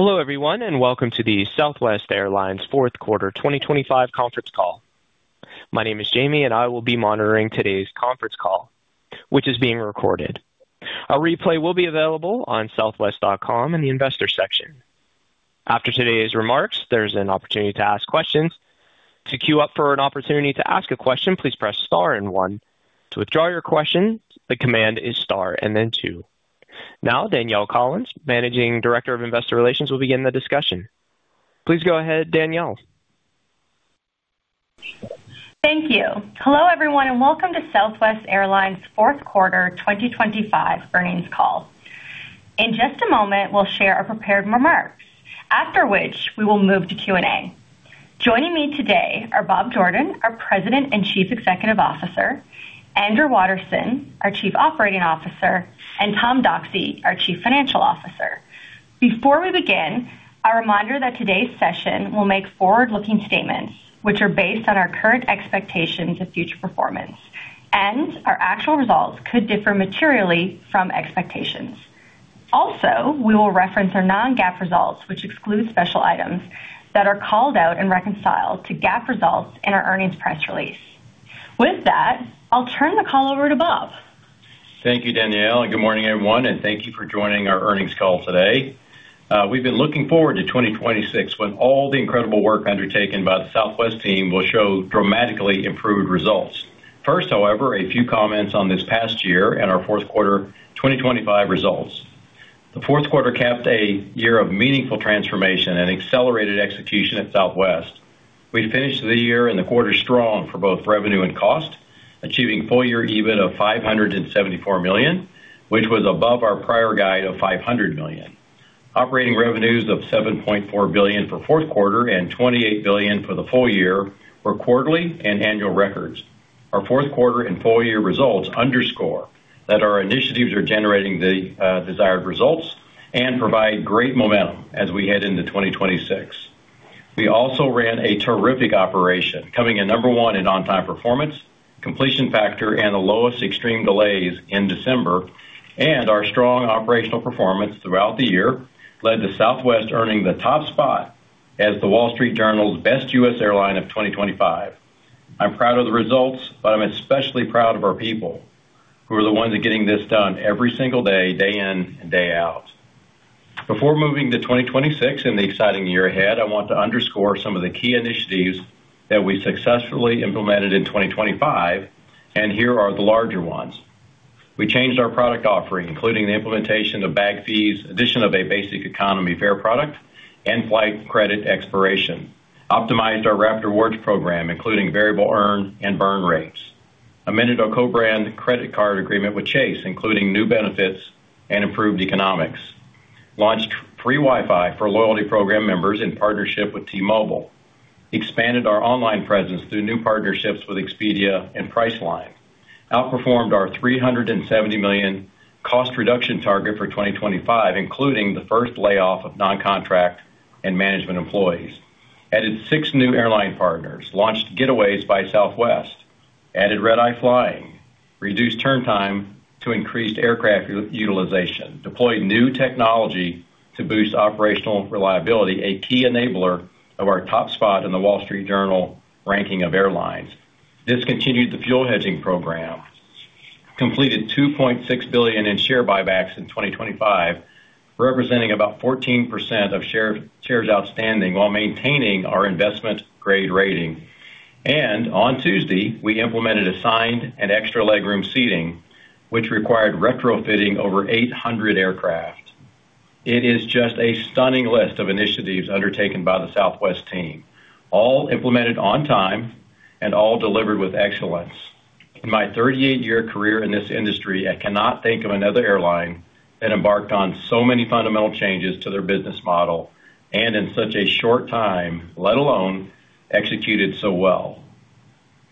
Hello, everyone, and welcome to the Southwest Airlines fourth quarter 2025 conference call. My name is Jamie, and I will be monitoring today's conference call, which is being recorded. A replay will be available on southwest.com in the Investor section. After today's remarks, there's an opportunity to ask questions. To queue up for an opportunity to ask a question, please press star and one. To withdraw your question, the command is star and then two. Now, Danielle Collins, Managing Director of Investor Relations, will begin the discussion. Please go ahead, Danielle. Thank you. Hello, everyone, and welcome to Southwest Airlines' fourth quarter 2025 earnings call. In just a moment, we'll share our prepared remarks, after which we will move to Q&A. Joining me today are Bob Jordan, our President and Chief Executive Officer, Andrew Watterson, our Chief Operating Officer, and Tom Doxey, our Chief Financial Officer. Before we begin, a reminder that today's session will make forward-looking statements which are based on our current expectations of future performance, and our actual results could differ materially from expectations. Also, we will reference our non-GAAP results, which exclude special items that are called out and reconciled to GAAP results in our earnings press release. With that, I'll turn the call over to Bob. Thank you, Danielle. Good morning, everyone, and thank you for joining our earnings call today. We've been looking forward to 2026, when all the incredible work undertaken by the Southwest team will show dramatically improved results. First, however, a few comments on this past year and our fourth quarter 2025 results. The fourth quarter capped a year of meaningful transformation and accelerated execution at Southwest. We finished the year and the quarter strong for both revenue and cost, achieving full-year EBIT of $574 million, which was above our prior guide of $500 million. Operating revenues of $7.4 billion for fourth quarter and $28 billion for the full year were quarterly and annual records. Our fourth quarter and full-year results underscore that our initiatives are generating the desired results and provide great momentum as we head into 2026. We also ran a terrific operation, coming in number 1 in on-time performance, completion factor, and the lowest extreme delays in December, and our strong operational performance throughout the year led to Southwest earning the top spot as The Wall Street Journal's Best US Airline of 2025. I'm proud of the results, but I'm especially proud of our people, who are the ones getting this done every single day, day in and day out. Before moving to 2026 and the exciting year ahead, I want to underscore some of the key initiatives that we successfully implemented in 2025, and here are the larger ones. We changed our product offering, including the implementation of Bag Fees, addition of a Basic Economy fare product, and flight credit expiration. Optimized our Rapid Rewards program, including variable earn and burn rates. Amended our co-brand credit card agreement with Chase, including new benefits and improved economics. Launched free Wi-Fi for loyalty program members in partnership with T-Mobile. Expanded our online presence through new partnerships with Expedia and Priceline. Outperformed our $370 million cost reduction target for 2025, including the first layoff of non-contract and management employees. Added six new airline partners, launched Getaways by Southwest, added red-eye flying, reduced turn time to increase aircraft utilization, deployed new technology to boost operational reliability, a key enabler of our top spot in The Wall Street Journal ranking of airlines. Discontinued the fuel hedging program. Completed $2.6 billion in share buybacks in 2025, representing about 14% of shares outstanding, while maintaining our investment grade rating. On Tuesday, we implemented assigned and extra legroom seating, which required retrofitting over 800 aircraft. It is just a stunning list of initiatives undertaken by the Southwest team, all implemented on time and all delivered with excellence. In my 38-year career in this industry, I cannot think of another airline that embarked on so many fundamental changes to their business model and in such a short time, let alone executed so well.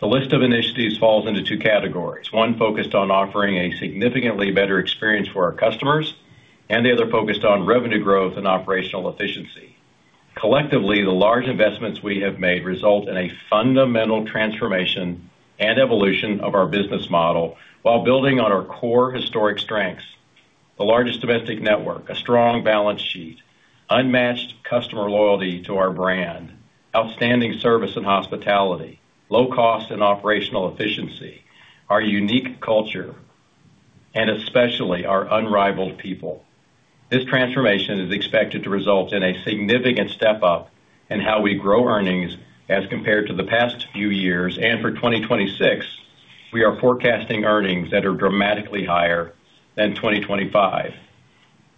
The list of initiatives falls into two categories: one, focused on offering a significantly better experience for our customers, and the other focused on revenue growth and operational efficiency. Collectively, the large investments we have made result in a fundamental transformation and evolution of our business model while building on our core historic strengths, the largest domestic network, a strong balance sheet, unmatched customer loyalty to our brand, outstanding service and hospitality, low cost and operational efficiency, our unique culture, and especially our unrivaled people. This transformation is expected to result in a significant step up in how we grow earnings as compared to the past few years. For 2026, we are forecasting earnings that are dramatically higher than 2025.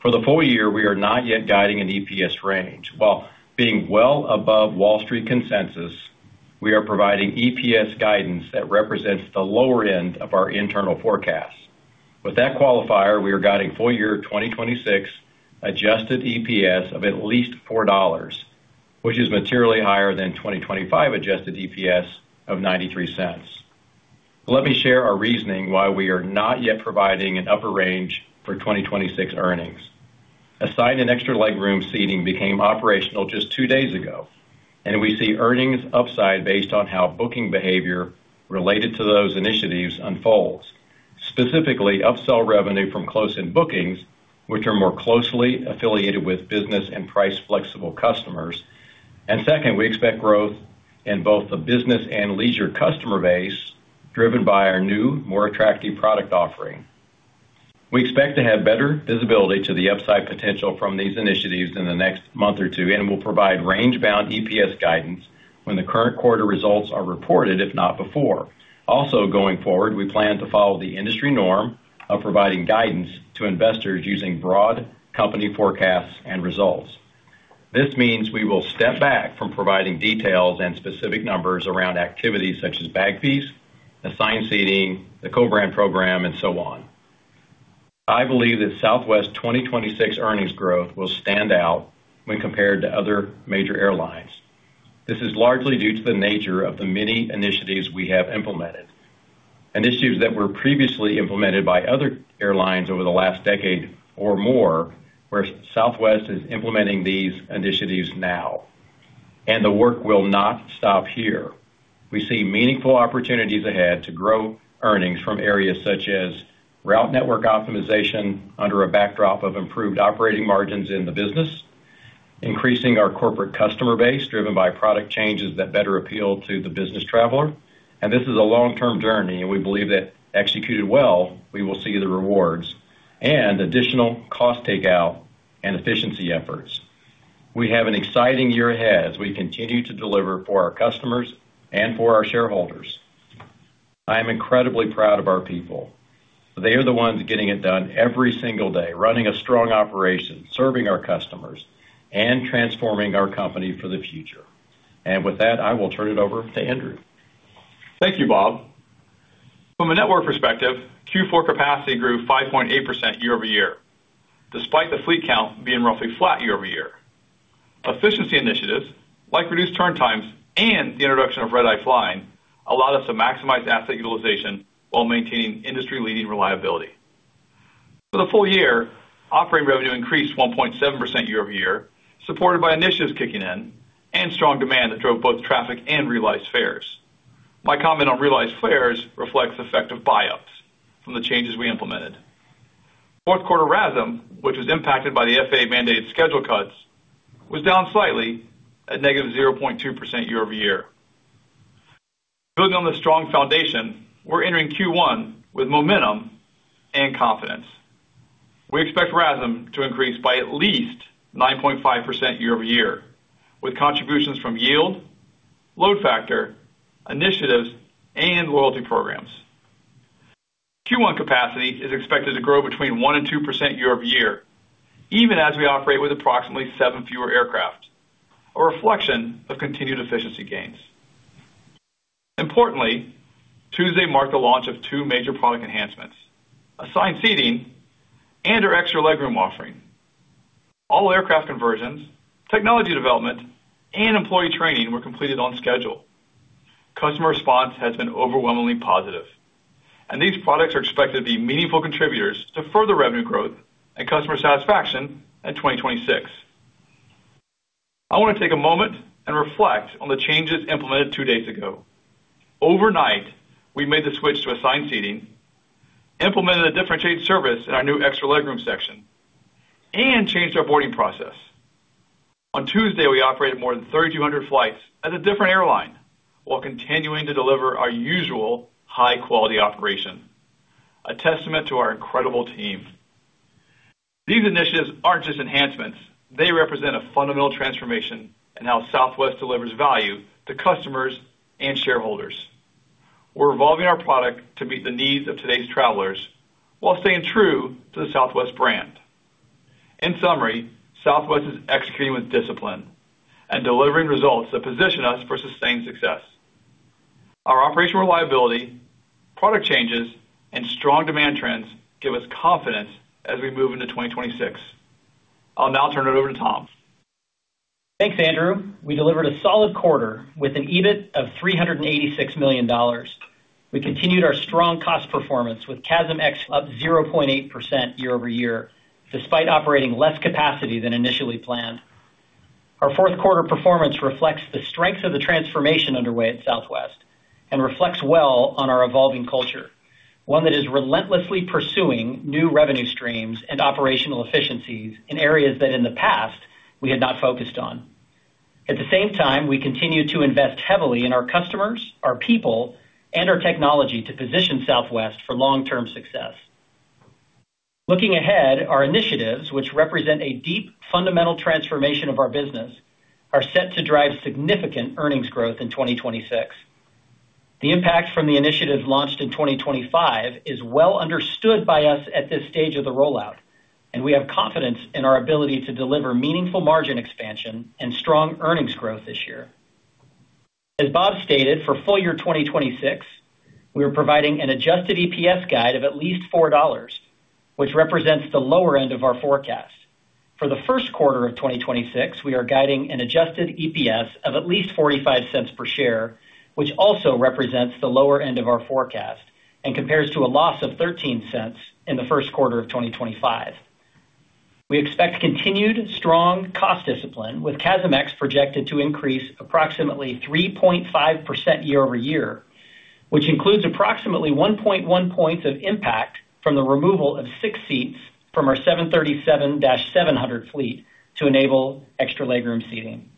For the full year, we are not yet guiding an EPS range. While being well above Wall Street consensus, we are providing EPS guidance that represents the lower end of our internal forecast. With that qualifier, we are guiding full year 2026 adjusted EPS of at least $4, which is materially higher than 2025 adjusted EPS of $0.93. Let me share our reasoning why we are not yet providing an upper range for 2026 earnings... Assigned and extra legroom seating became operational just two days ago, and we see earnings upside based on how booking behavior related to those initiatives unfolds. Specifically, upsell revenue from close-in bookings, which are more closely affiliated with business and price-flexible customers. And second, we expect growth in both the business and leisure customer base, driven by our new, more attractive product offering. We expect to have better visibility to the upside potential from these initiatives in the next month or two, and we'll provide range-bound EPS guidance when the current quarter results are reported, if not before. Also, going forward, we plan to follow the industry norm of providing guidance to investors using broad company forecasts and results. This means we will step back from providing details and specific numbers around activities such as Bag Fees, assigned seating, the co-brand program, and so on. I believe that Southwest's 2026 earnings growth will stand out when compared to other major airlines. This is largely due to the nature of the many initiatives we have implemented, initiatives that were previously implemented by other airlines over the last decade or more, where Southwest is implementing these initiatives now, and the work will not stop here. We see meaningful opportunities ahead to grow earnings from areas such as route network optimization under a backdrop of improved operating margins in the business, increasing our corporate customer base, driven by product changes that better appeal to the business traveler. And this is a long-term journey, and we believe that, executed well, we will see the rewards and additional cost takeout and efficiency efforts. We have an exciting year ahead as we continue to deliver for our customers and for our shareholders. I am incredibly proud of our people. They are the ones getting it done every single day, running a strong operation, serving our customers, and transforming our company for the future. With that, I will turn it over to Andrew. Thank you, Bob. From a network perspective, Q4 capacity grew 5.8% year-over-year, despite the fleet count being roughly flat year-over-year. Efficiency initiatives, like reduced turn times and the introduction of red-eye flying, allow us to maximize asset utilization while maintaining industry-leading reliability. For the full year, operating revenue increased 1.7% year-over-year, supported by initiatives kicking in and strong demand that drove both traffic and realized fares. My comment on realized fares reflects the effect of buy-ups from the changes we implemented. Fourth quarter RASM, which was impacted by the FAA-mandated schedule cuts, was down slightly at negative 0.2% year-over-year. Building on the strong foundation, we're entering Q1 with momentum and confidence. We expect RASM to increase by at least 9.5% year-over-year, with contributions from yield, load factor, initiatives, and loyalty programs. Q1 capacity is expected to grow between 1% and 2% year-over-year, even as we operate with approximately 7 fewer aircraft, a reflection of continued efficiency gains. Importantly, Tuesday marked the launch of 2 major product enhancements: Assigned Seating and our Extra Legroom offering. All aircraft conversions, technology development, and employee training were completed on schedule. Customer response has been overwhelmingly positive, and these products are expected to be meaningful contributors to further revenue growth and customer satisfaction in 2026. I want to take a moment and reflect on the changes implemented 2 days ago. Overnight, we made the switch to Assigned Seating, implemented a differentiated service in our new Extra Legroom section, and changed our boarding process. On Tuesday, we operated more than 3,200 flights as a different airline, while continuing to deliver our usual high-quality operation, a testament to our incredible team. These initiatives aren't just enhancements. They represent a fundamental transformation in how Southwest delivers value to customers and shareholders. We're evolving our product to meet the needs of today's travelers while staying true to the Southwest brand. In summary, Southwest is executing with discipline and delivering results that position us for sustained success. Our operational reliability, product changes, and strong demand trends give us confidence as we move into 2026. I'll now turn it over to Tom. Thanks, Andrew. We delivered a solid quarter with an EBIT of $386 million. We continued our strong cost performance with CASM-ex up 0.8% year-over-year, despite operating less capacity than initially planned. Our fourth quarter performance reflects the strengths of the transformation underway at Southwest and reflects well on our evolving culture, one that is relentlessly pursuing new revenue streams and operational efficiencies in areas that, in the past, we had not focused on. At the same time, we continue to invest heavily in our customers, our people, and our technology to position Southwest for long-term success. Looking ahead, our initiatives, which represent a deep fundamental transformation of our business, are set to drive significant earnings growth in 2026. The impact from the initiatives launched in 2025 is well understood by us at this stage of the rollout, and we have confidence in our ability to deliver meaningful margin expansion and strong earnings growth this year. As Bob stated, for full year 2026, we are providing an adjusted EPS guide of at least $4, which represents the lower end of our forecast. For the first quarter of 2026, we are guiding an adjusted EPS of at least $0.45 per share, which also represents the lower end of our forecast, and compares to a loss of $0.13 in the first quarter of 2025. We expect continued strong cost discipline, with CASM-ex projected to increase approximately 3.5% year-over-year, which includes approximately 1.1 points of impact from the removal of 6 seats from our 737-700 fleet to enable extra legroom seating.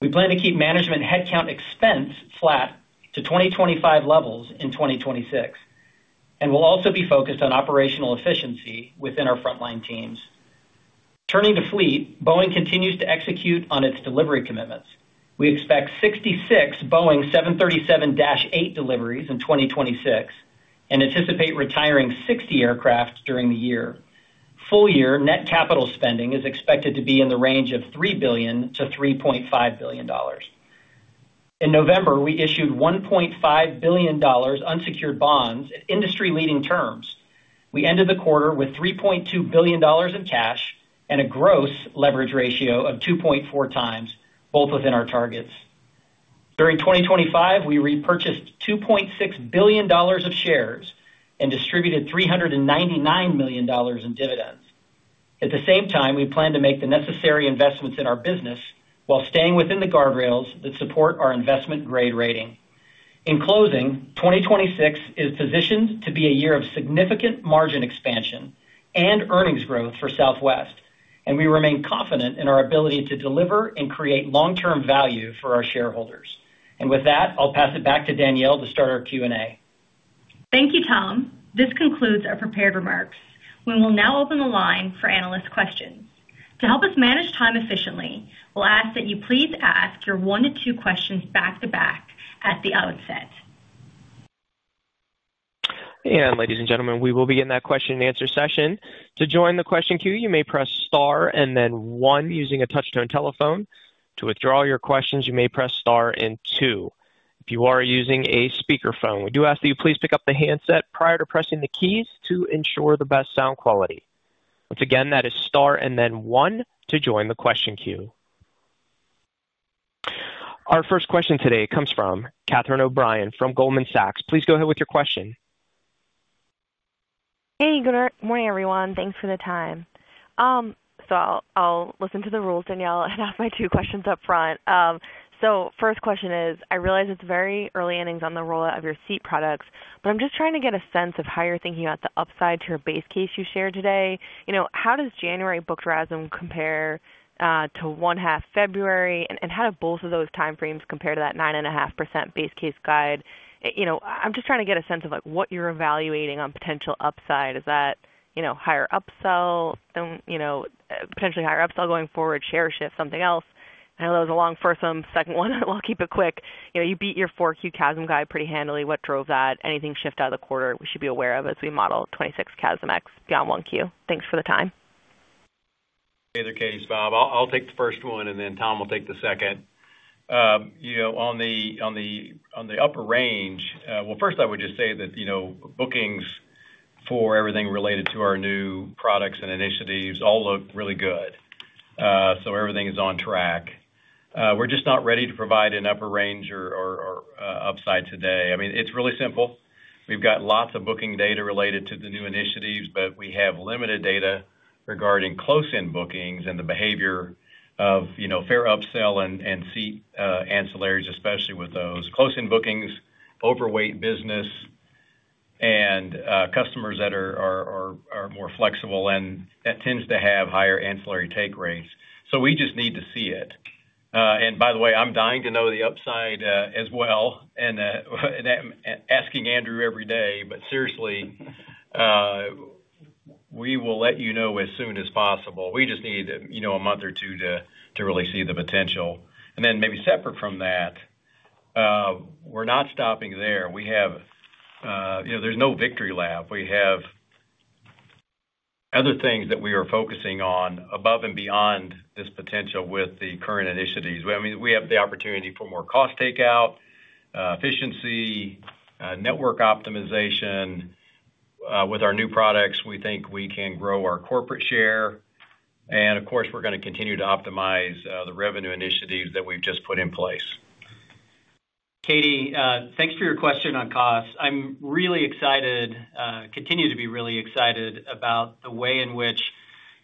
We plan to keep management headcount expense flat to 2025 levels in 2026, and we'll also be focused on operational efficiency within our frontline teams. Turning to fleet, Boeing continues to execute on its delivery commitments. We expect 66 Boeing 737-8 deliveries in 2026 and anticipate retiring 60 aircraft during the year. Full year net capital spending is expected to be in the range of $3 billion-$3.5 billion. In November, we issued $1.5 billion unsecured bonds at industry-leading terms. We ended the quarter with $3.2 billion in cash and a gross leverage ratio of 2.4 times, both within our targets. During 2025, we repurchased $2.6 billion of shares and distributed $399 million in dividends. At the same time, we plan to make the necessary investments in our business while staying within the guardrails that support our investment-grade rating. In closing, 2026 is positioned to be a year of significant margin expansion and earnings growth for Southwest, and we remain confident in our ability to deliver and create long-term value for our shareholders. And with that, I'll pass it back to Danielle to start our Q&A. Thank you, Tom. This concludes our prepared remarks. We will now open the line for analyst questions. To help us manage time efficiently, we'll ask that you please ask your 1-2 questions back-to-back at the outset. Ladies and gentlemen, we will begin that question-and-answer session. To join the question queue, you may press Star and then one using a touch-tone telephone. To withdraw your questions, you may press Star and two. If you are using a speakerphone, we do ask that you please pick up the handset prior to pressing the keys to ensure the best sound quality. Once again, that is Star and then one to join the question queue. Our first question today comes from Catherine O'Brien from Goldman Sachs. Please go ahead with your question. Hey, good morning, everyone. Thanks for the time. So I'll listen to the rules, Danielle, and ask my 2 questions up front. So first question is, I realize it's very early innings on the rollout of your seat products, but I'm just trying to get a sense of how you're thinking about the upside to your base case you shared today. You know, how does January booked RASM compare to 1/2 February? And how do both of those timeframes compare to that 9.5% base case guide? You know, I'm just trying to get a sense of, like, what you're evaluating on potential upside. Is that, you know, higher upsell and, you know, potentially higher upsell going forward, share shift, something else? I know that was a long first one. Second one, I'll keep it quick. You know, you beat your Q4 CASM guide pretty handily. What drove that? Anything shift out of the quarter we should be aware of as we model 2026 CASM-ex beyond Q1? Thanks for the time. Hey there, Catie. It's Bob. I'll take the first one, and then Tom will take the second. You know, on the upper range... Well, first, I would just say that, you know, bookings for everything related to our new products and initiatives all look really good. So everything is on track. We're just not ready to provide an upper range or upside today. I mean, it's really simple. We've got lots of booking data related to the new initiatives, but we have limited data regarding close-end bookings and the behavior of, you know, fare upsell and seat ancillaries, especially with those close-end bookings, overweight business and customers that are more flexible and that tends to have higher ancillary take rates. So we just need to see it. And by the way, I'm dying to know the upside, as well, and asking Andrew every day, but seriously, we will let you know as soon as possible. We just need, you know, a month or two to really see the potential. And then maybe separate from that, we're not stopping there. We have, you know, there's no victory lap. We have other things that we are focusing on above and beyond this potential with the current initiatives. I mean, we have the opportunity for more cost takeout, efficiency, network optimization. With our new products, we think we can grow our corporate share, and of course, we're gonna continue to optimize the revenue initiatives that we've just put in place. Catie, thanks for your question on costs. I'm really excited, continue to be really excited about the way in which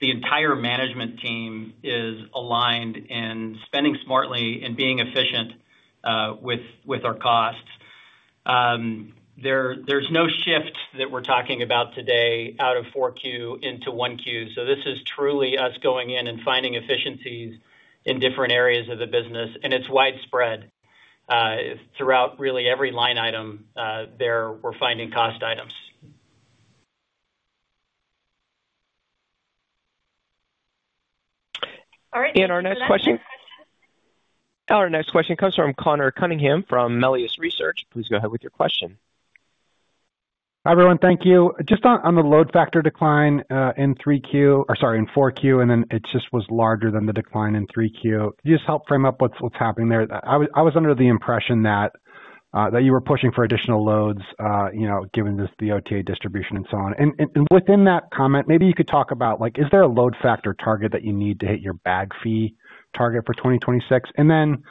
the entire management team is aligned in spending smartly and being efficient with our costs. There's no shift that we're talking about today out of Q4 into Q1. So this is truly us going in and finding efficiencies in different areas of the business, and it's widespread. Throughout really every line item, we're finding cost items. All right- Our next question- Our next question comes from Conor Cunningham from Melius Research. Please go ahead with your question. Hi, everyone. Thank you. Just on the load factor decline in Q3 or, sorry, in Q4, and then it just was larger than the decline in Q3. Can you just help frame up what's happening there? I was under the impression that you were pushing for additional loads, you know, given this, the OTA distribution and so on. And within that comment, maybe you could talk about, like, is there a load factor target that you need to hit your bag fee target for 2026? And then-...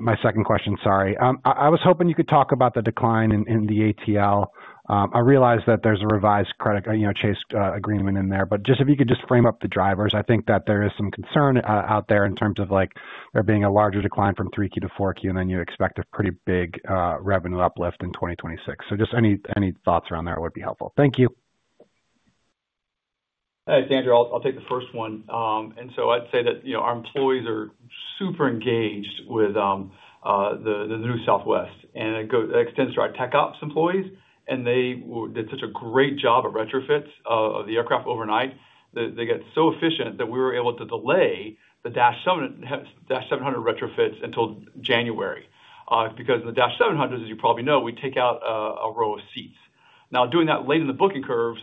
my second question, sorry. I was hoping you could talk about the decline in the ATL. I realize that there's a revised credit, you know, Chase agreement in there, but just if you could just frame up the drivers. I think that there is some concern out there in terms of like there being a larger decline from Q3-Q4, and then you expect a pretty big revenue uplift in 2026. So just any thoughts around there would be helpful. Thank you. Hey, Andrew, I'll take the first one. And so I'd say that, you know, our employees are super engaged with the New Southwest, and it extends to our tech ops employees, and they did such a great job of retrofits of the aircraft overnight, that they got so efficient that we were able to delay the 737-700 retrofits until January. Because the 737-700s, as you probably know, we take out a row of seats. Now, doing that late in the booking curves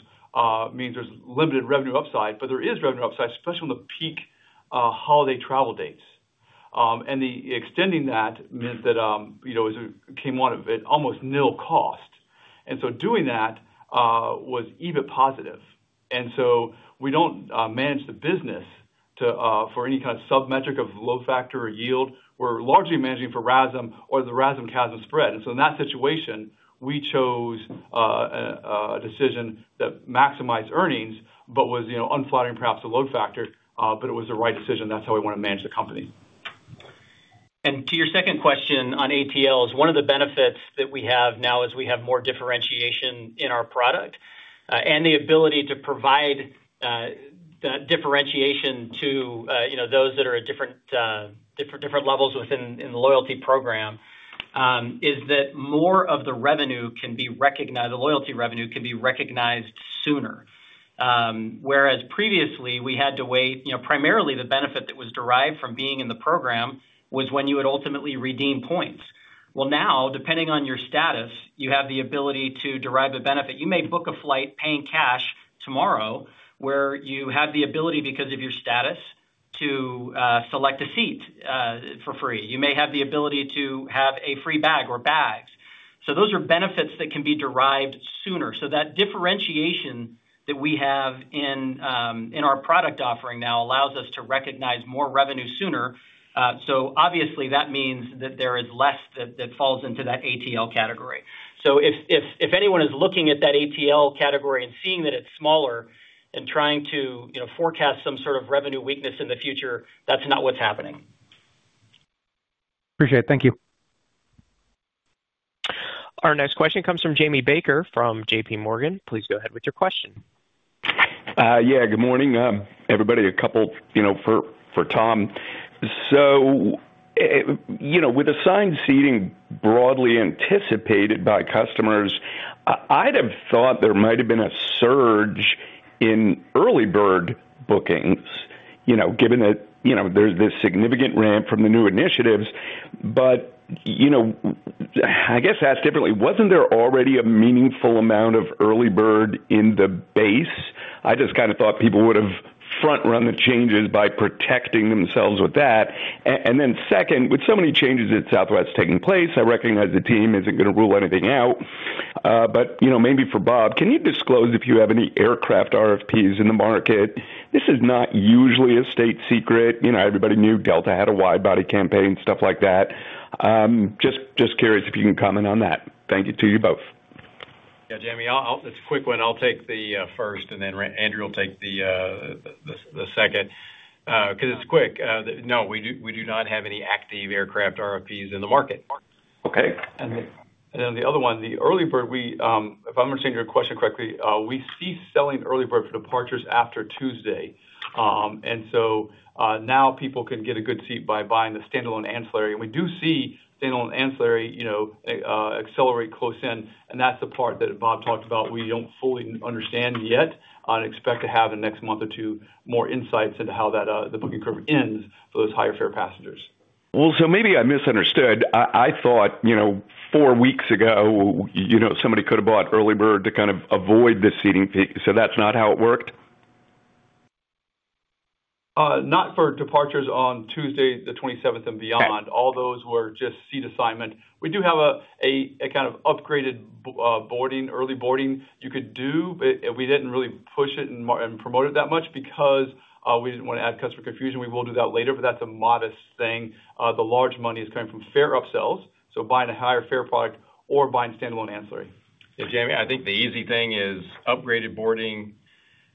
means there's limited revenue upside, but there is revenue upside, especially on the peak holiday travel dates. And the extending that means that, you know, it came out of it almost nil cost. And so doing that was EBIT positive. So we don't manage the business to for any kind of submetric of load factor or yield. We're largely managing for RASM or the RASM-CASM spread. And so in that situation, we chose a decision that maximized earnings, but was, you know, unflattering, perhaps the load factor, but it was the right decision. That's how we wanna manage the company. And to your second question on ATL, one of the benefits that we have now is we have more differentiation in our product, and the ability to provide differentiation to, you know, those that are at different levels within the loyalty program, is that more of the revenue can be recognized. The loyalty revenue can be recognized sooner. Whereas previously, we had to wait, you know, primarily the benefit that was derived from being in the program was when you would ultimately redeem points. Well, now, depending on your status, you have the ability to derive a benefit. You may book a flight paying cash tomorrow, where you have the ability, because of your status, to select a seat for free. You may have the ability to have a free bag or bags. So those are benefits that can be derived sooner. So that differentiation that we have in our product offering now allows us to recognize more revenue sooner. So obviously, that means that there is less that falls into that ATL category. So if anyone is looking at that ATL category and seeing that it's smaller and trying to, you know, forecast some sort of revenue weakness in the future, that's not what's happening. Appreciate it. Thank you. Our next question comes from Jamie Baker from JPMorgan. Please go ahead with your question. Yeah, good morning, everybody. A couple, you know, for Tom. So, you know, with assigned seating broadly anticipated by customers, I'd have thought there might have been a surge in EarlyBird bookings, you know, given that, you know, there's this significant ramp from the new initiatives. But, you know, I guess asked differently, wasn't there already a meaningful amount of EarlyBird in the base? I just kind of thought people would have front-run the changes by protecting themselves with that. And then second, with so many changes at Southwest taking place, I recognize the team isn't going to rule anything out. But, you know, maybe for Bob, can you disclose if you have any aircraft RFPs in the market? This is not usually a state secret. You know, everybody knew Delta had a wide-body campaign, stuff like that. Just curious if you can comment on that. Thank you to you both. Yeah, Jamie, I'll. It's a quick one. I'll take the first, and then Andrew will take the second, 'cause it's quick. No, we do not have any active aircraft RFPs in the market. Okay. And then the other one, the EarlyBird, we, if I'm understanding your question correctly, we ceased selling EarlyBird for departures after Tuesday. And so, now people can get a good seat by buying the standalone ancillary. And we do see standalone ancillary, you know, accelerate close in, and that's the part that Bob talked about we don't fully understand yet, and expect to have in the next month or two, more insights into how that, the booking curve ends for those higher fare passengers. Well, so maybe I misunderstood. I, I thought, you know, four weeks ago, you know, somebody could have bought EarlyBird to kind of avoid this seating fee. So that's not how it worked? Not for departures on Tuesday, the 27th and beyond. Okay. All those were just seat assignment. We do have a kind of upgraded boarding, early boarding you could do, but we didn't really push it and promote it that much because we didn't want to add customer confusion. We will do that later, but that's a modest thing. The large money is coming from fare upsells, so buying a higher fare product or buying standalone ancillary. Yeah, Jamie, I think the easy thing is upgraded boarding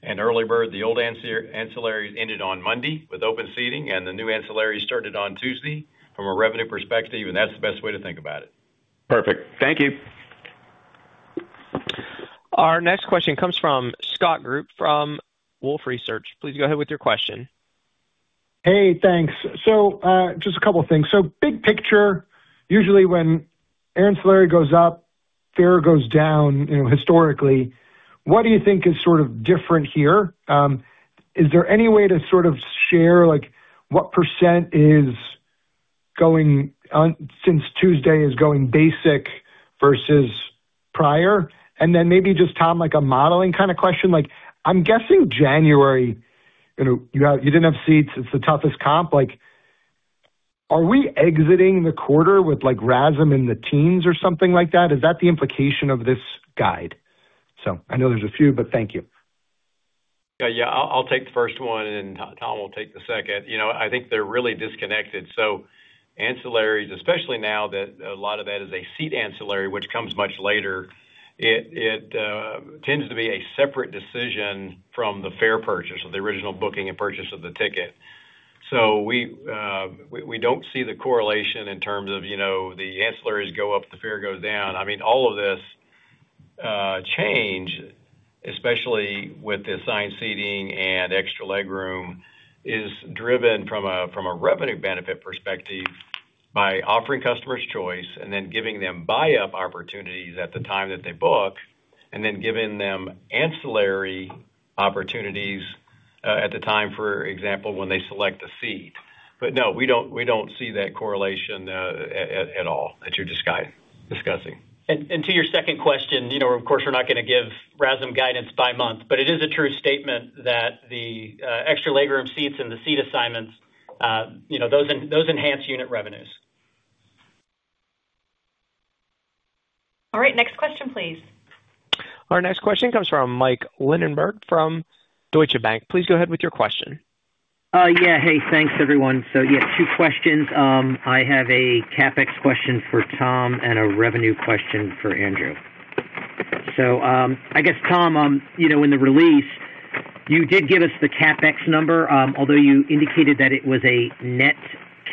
and EarlyBird, the old ancillary, ended on Monday with open seating, and the new ancillary started on Tuesday. From a revenue perspective, and that's the best way to think about it. Perfect. Thank you. Our next question comes from Scott Group, from Wolfe Research. Please go ahead with your question. Hey, thanks. So, just a couple of things. So big picture, usually when ancillary goes up, fare goes down, you know, historically. What do you think is sort of different here? Is there any way to sort of share, like, what % is going on - since Tuesday, is going basic versus prior? And then maybe just, Tom, like a modeling kind of question, like, I'm guessing January, you know, you, you didn't have seats, it's the toughest comp, like, are we exiting the quarter with like RASM in the teens or something like that? Is that the implication of this guide? So I know there's a few, but thank you.... Yeah, yeah, I'll take the first one, and Tom will take the second. You know, I think they're really disconnected. So ancillaries, especially now that a lot of that is a seat ancillary, which comes much later, it tends to be a separate decision from the fare purchase or the original booking and purchase of the ticket. So we don't see the correlation in terms of, you know, the ancillaries go up, the fare goes down. I mean, all of this change, especially with the assigned seating and extra legroom, is driven from a revenue benefit perspective by offering customers choice and then giving them buy-up opportunities at the time that they book, and then giving them ancillary opportunities at the time, for example, when they select a seat. But no, we don't see that correlation at all, that you're discussing. To your second question, you know, of course, we're not gonna give RASM guidance by month, but it is a true statement that the extra legroom seats and the seat assignments, you know, those enhance unit revenues. All right, next question, please. Our next question comes from Mike Linenberg from Deutsche Bank. Please go ahead with your question. Yeah, hey, thanks, everyone. So, yeah, two questions. I have a CapEx question for Tom and a revenue question for Andrew. So, I guess, Tom, you know, in the release, you did give us the CapEx number, although you indicated that it was a net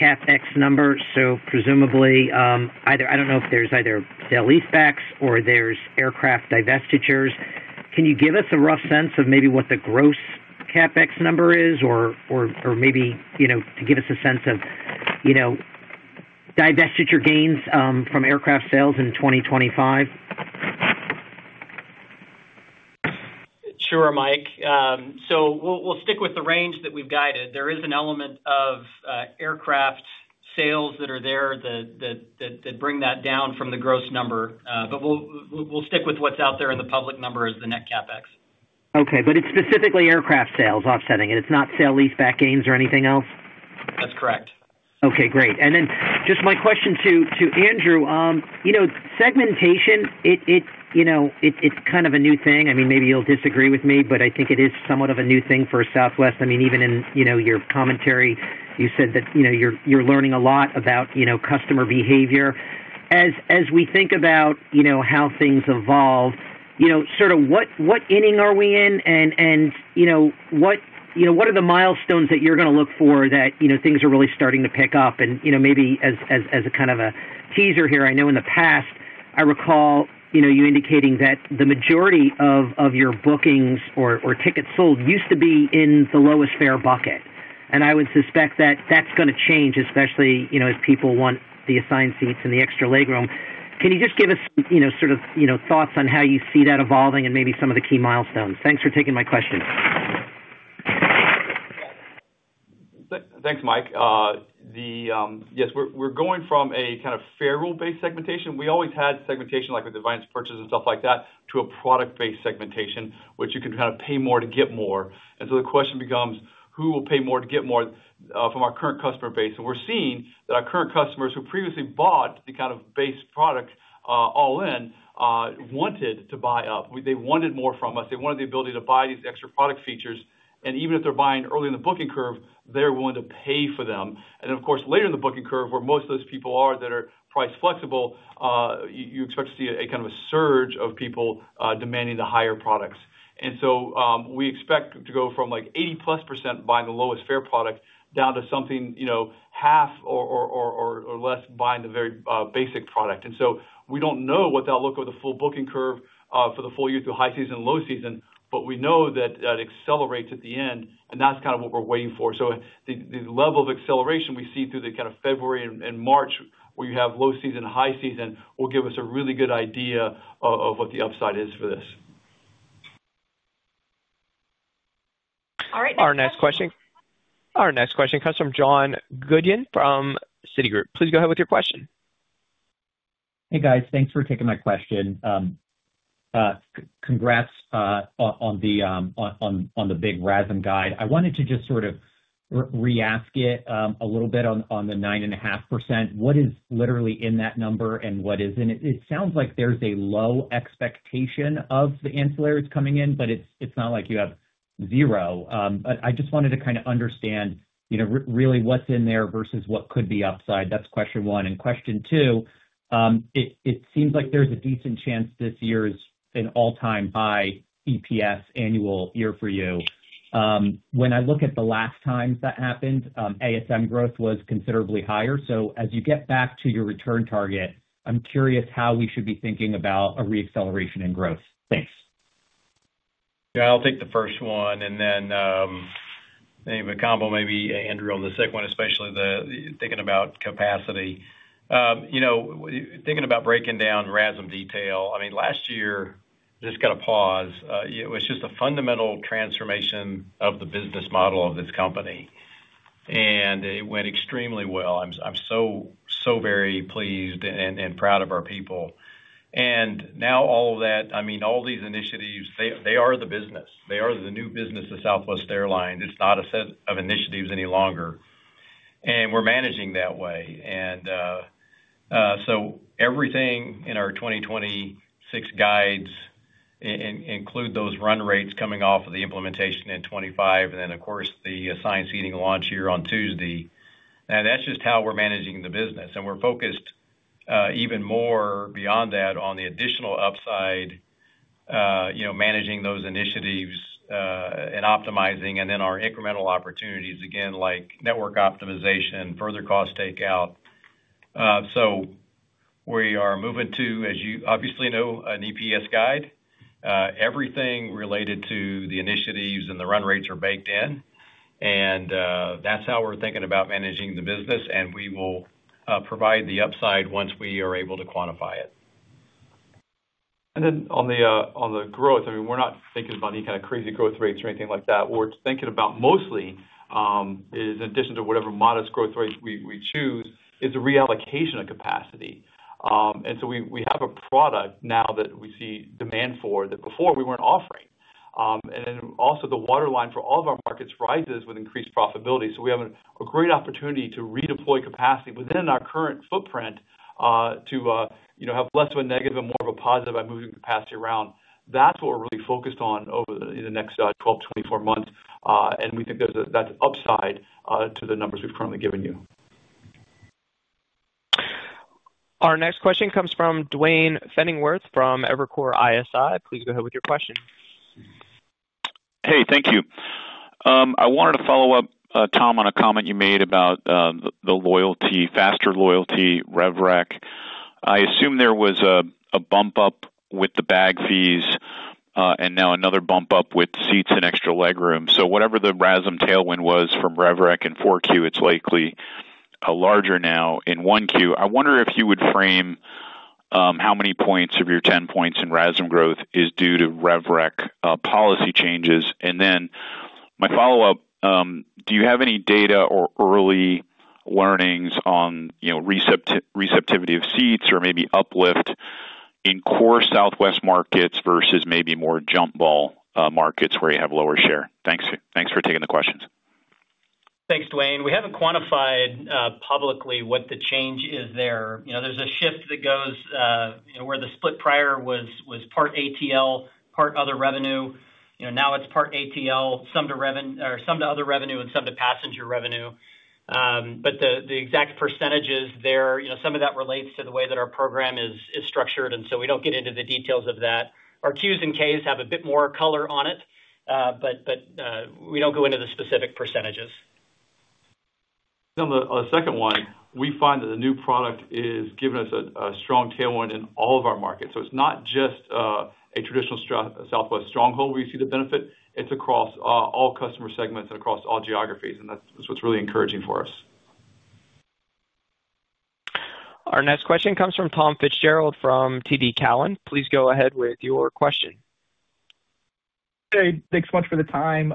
CapEx number, so presumably, either... I don't know if there's either sale leasebacks or there's aircraft divestitures. Can you give us a rough sense of maybe what the gross CapEx number is, or, or, or maybe, you know, to give us a sense of, you know, divestiture gains, from aircraft sales in 2025? Sure, Mike. So we'll stick with the range that we've guided. There is an element of aircraft sales that are there that bring that down from the gross number. But we'll stick with what's out there in the public number as the net CapEx. Okay, but it's specifically aircraft sales offsetting, and it's not sale-leaseback gains or anything else? That's correct. Okay, great. And then just my question to Andrew. You know, segmentation, you know, it's kind of a new thing. I mean, maybe you'll disagree with me, but I think it is somewhat of a new thing for Southwest. I mean, even in your commentary, you said that, you know, you're learning a lot about customer behavior. As we think about how things evolve, you know, sort of what inning are we in? And you know, what are the milestones that you're gonna look for that things are really starting to pick up? You know, maybe as a kind of a teaser here, I know in the past, I recall, you know, you indicating that the majority of your bookings or tickets sold used to be in the lowest fare bucket. I would suspect that that's gonna change, especially, you know, as people want the assigned seats and the extra legroom. Can you just give us, you know, sort of, you know, thoughts on how you see that evolving and maybe some of the key milestones? Thanks for taking my question. Thanks, Mike. Yes, we're going from a kind of fare rule-based segmentation. We always had segmentation, like with advanced purchase and stuff like that, to a product-based segmentation, which you can kind of pay more to get more. And so the question becomes, who will pay more to get more from our current customer base? And we're seeing that our current customers who previously bought the kind of base product, all in, wanted to buy up. They wanted more from us. They wanted the ability to buy these extra product features, and even if they're buying early in the booking curve, they're willing to pay for them. Then, of course, later in the booking curve, where most of those people are, that are price flexible, you expect to see kind of a surge of people demanding the higher products. So, we expect to go from, like, 80%+ buying the lowest fare product down to something, you know, half or less buying the very basic product. So we don't know what that'll look with a full booking curve for the full year through high season and low season, but we know that that accelerates at the end, and that's kind of what we're waiting for. So the level of acceleration we see through kind of February and March, where you have low season and high season, will give us a really good idea of what the upside is for this. All right- Our next question comes from John Godin from Citigroup. Please go ahead with your question. Hey, guys. Thanks for taking my question. Congrats on the big RASM guide. I wanted to just sort of reask it a little bit on the 9.5%. What is literally in that number, and what isn't it? It sounds like there's a low expectation of the ancillaries coming in, but it's not like you have zero. But I just wanted to kind of understand, you know, really what's in there versus what could be upside. That's question one. And question two, it seems like there's a decent chance this year is an all-time high EPS annual year for you. When I look at the last times that happened, ASM growth was considerably higher. As you get back to your return target, I'm curious how we should be thinking about a reacceleration in growth. Thanks. Yeah, I'll take the first one, and then maybe a combo, maybe Andrew, on the second one, especially thinking about capacity. You know, thinking about breaking down RASM detail, I mean, last year, just got to pause, it was just a fundamental transformation of the business model of this company, and it went extremely well. I'm so very pleased and proud of our people. And now all of that, I mean, all these initiatives, they are the business. They are the new business of Southwest Airlines. It's not a set of initiatives any longer.... and we're managing that way. And, so everything in our 2026 guides include those run rates coming off of the implementation in 2025, and then, of course, the assigned seating launch here on Tuesday. Now, that's just how we're managing the business, and we're focused, even more beyond that on the additional upside, you know, managing those initiatives, and optimizing, and then our incremental opportunities, again, like network optimization, further cost takeout. So we are moving to, as you obviously know, an EPS guide. Everything related to the initiatives and the run rates are baked in, and, that's how we're thinking about managing the business, and we will provide the upside once we are able to quantify it. And then on the growth, I mean, we're not thinking about any kind of crazy growth rates or anything like that. What we're thinking about mostly is in addition to whatever modest growth rates we, we choose, is a reallocation of capacity. And so we, we have a product now that we see demand for that before we weren't offering. And then also the waterline for all of our markets rises with increased profitability. So we have a great opportunity to redeploy capacity within our current footprint, to you know, have less of a negative and more of a positive by moving capacity around. That's what we're really focused on over the in the next 12-24 months, and we think there's a, that's upside to the numbers we've currently given you. Our next question comes from Duane Pfennigwerth from Evercore ISI. Please go ahead with your question. Hey, thank you. I wanted to follow up, Tom, on a comment you made about the loyalty, faster loyalty, rev rec. I assume there was a bump up with the bag fees and now another bump up with seats and extra legroom. So whatever the RASM tailwind was from rev rec in Q4, it's likely larger now in Q1. I wonder if you would frame how many points of your 10 points in RASM growth is due to rev rec policy changes? And then my follow-up, do you have any data or early learnings on, you know, receptivity of seats or maybe uplift in core Southwest markets versus maybe more jump ball markets where you have lower share? Thanks. Thanks for taking the questions. Thanks, Duane. We haven't quantified publicly what the change is there. You know, there's a shift that goes, you know, where the split prior was, was part ATL, part other revenue. You know, now it's part ATL, some to other revenue and some to passenger revenue. But the exact percentages there, you know, some of that relates to the way that our program is structured, and so we don't get into the details of that. Our Qs and Ks have a bit more color on it, but we don't go into the specific percentages. On the second one, we find that the new product is giving us a strong tailwind in all of our markets. So it's not just a traditional Southwest stronghold where we see the benefit, it's across all customer segments and across all geographies, and that's what's really encouraging for us. Our next question comes from Tom Fitzgerald from TD Cowen. Please go ahead with your question. Hey, thanks so much for the time.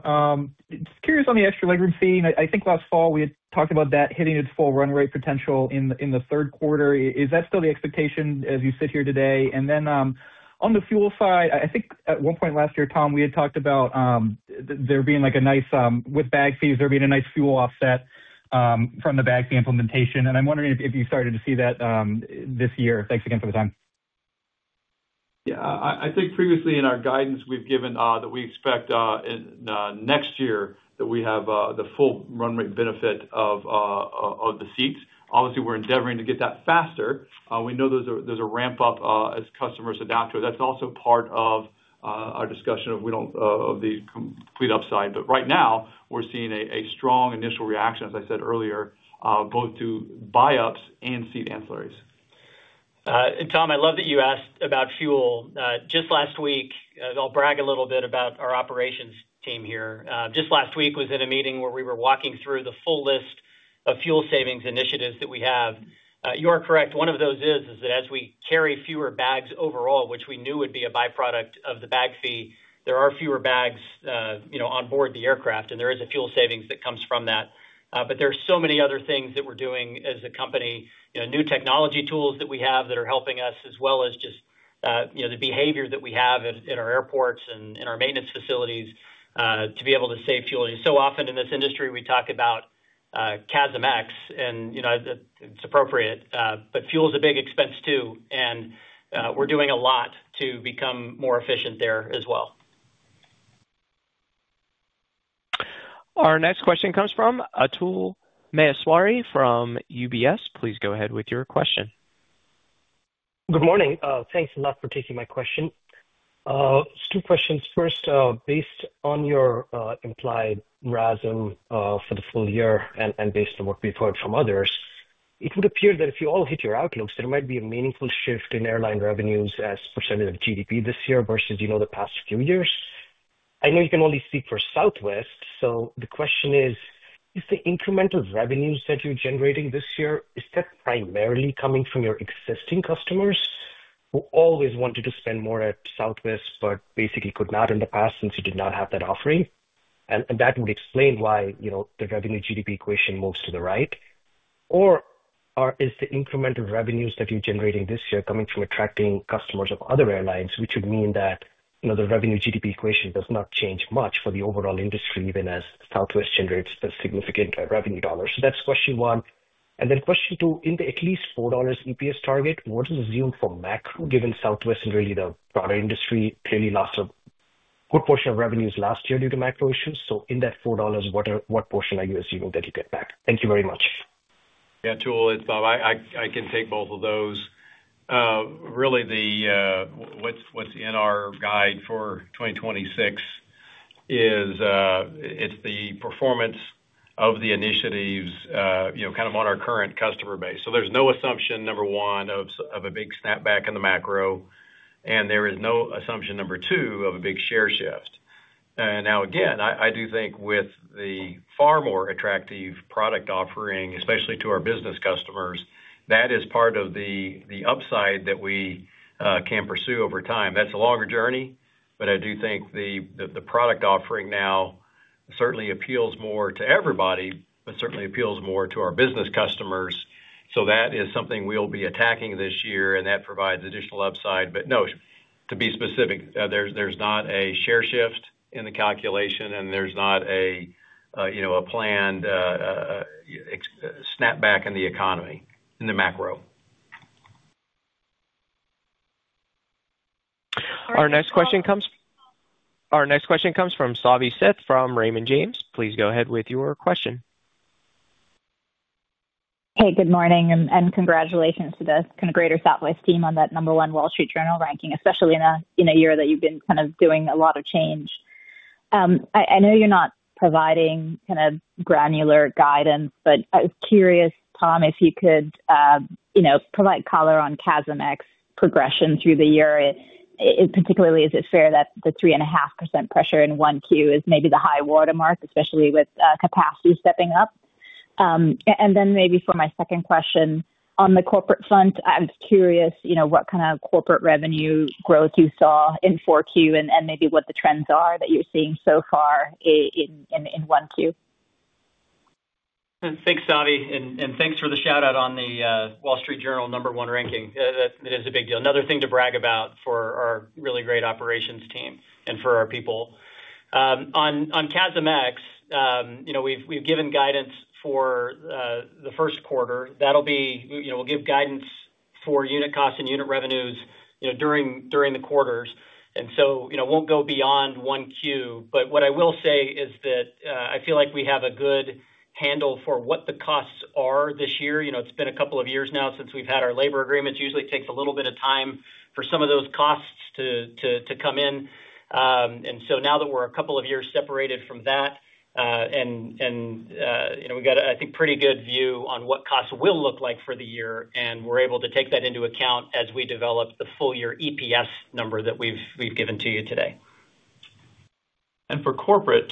Just curious on the Extra Legroom fee. I think last fall we had talked about that hitting its full run rate potential in the third quarter. Is that still the expectation as you sit here today? And then, on the fuel side, I think at one point last year, Tom, we had talked about there being like a nice fuel offset with bag fees from the bag fee implementation, and I'm wondering if you started to see that this year. Thanks again for the time. Yeah. I think previously in our guidance, we've given that we expect in next year that we have the full run rate benefit of the seats. Obviously, we're endeavoring to get that faster. We know there's a ramp up as customers adapt to it. That's also part of our discussion of the complete upside. But right now, we're seeing a strong initial reaction, as I said earlier, both to buy-ups and seat ancillaries. Tom, I love that you asked about fuel. Just last week, I'll brag a little bit about our operations team here. Just last week, was in a meeting where we were walking through the full list of fuel savings initiatives that we have. You are correct. One of those is that as we carry fewer bags overall, which we knew would be a byproduct of the bag fee, there are fewer bags, you know, on board the aircraft, and there is a fuel savings that comes from that. But there are so many other things that we're doing as a company, you know, new technology tools that we have that are helping us, as well as just, you know, the behavior that we have in our airports and in our maintenance facilities to be able to save fuel. So often in this industry, we talk about CASM-ex, and you know, it's appropriate, but fuel is a big expense, too, and we're doing a lot to become more efficient there as well. Our next question comes from Atul Maheswari from UBS. Please go ahead with your question. Good morning. Thanks a lot for taking my question. Two questions. First, based on your implied RASM for the full year and based on what we've heard from others, it would appear that if you all hit your outlooks, there might be a meaningful shift in airline revenues as percentage of GDP this year versus, you know, the past few years. I know you can only speak for Southwest, so the question is: If the incremental revenues that you're generating this year, is that primarily coming from your existing customers who always wanted to spend more at Southwest, but basically could not in the past since you did not have that offering? And that would explain why, you know, the revenue GDP equation moves to the right.... is the incremental revenues that you're generating this year coming from attracting customers of other airlines, which would mean that, you know, the revenue GDP equation does not change much for the overall industry, even as Southwest generates the significant revenue dollars? So that's question one. And then question two, in the at least $4 EPS target, what is assumed for macro, given Southwest and really the broader industry clearly lost a good portion of revenues last year due to macro issues. So in that $4, what portion are you assuming that you get back? Thank you very much. Yeah, Atul, it's Bob. I can take both of those. Really, what's in our guide for 2026 is the performance of the initiatives, you know, kind of on our current customer base. So there's no assumption, number one, of a big snapback in the macro, and there is no assumption, number two, of a big share shift. Now, again, I do think with the far more attractive product offering, especially to our business customers, that is part of the upside that we can pursue over time. That's a longer journey, but I do think the product offering now certainly appeals more to everybody, but certainly appeals more to our business customers. So that is something we'll be attacking this year, and that provides additional upside. But no, to be specific, there's not a share shift in the calculation, and there's not a, you know, a planned economic snapback in the economy, in the macro. Our next question comes from Savi Syth from Raymond James. Please go ahead with your question. Hey, good morning, and congratulations to the kind of greater Southwest team on that number one Wall Street Journal ranking, especially in a year that you've been kind of doing a lot of change. I know you're not providing kind of granular guidance, but I was curious, Tom, if you could, you know, provide color on CASM-ex progression through the year. Particularly, is it fair that the 3.5% pressure in Q1 is maybe the high watermark, especially with capacity stepping up? And then maybe for my second question, on the corporate front, I'm curious, you know, what kind of corporate revenue growth you saw in Q4, and maybe what the trends are that you're seeing so far in Q1. Thanks, Savi, and thanks for the shout-out on the Wall Street Journal number one ranking. That is a big deal. Another thing to brag about for our really great operations team and for our people. On CASM-ex, you know, we've given guidance for the first quarter. That'll be... You know, we'll give guidance for unit costs and unit revenues, you know, during the quarters, and so, you know, won't go beyond Q1. But what I will say is that I feel like we have a good handle for what the costs are this year. You know, it's been a couple of years now since we've had our labor agreements. Usually takes a little bit of time for some of those costs to come in. And so now that we're a couple of years separated from that, and you know, we've got, I think, pretty good view on what costs will look like for the year, and we're able to take that into account as we develop the full year EPS number that we've given to you today. For corporate,